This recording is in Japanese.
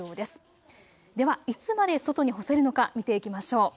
ではいつまで外に干せるのか見ていきましょう。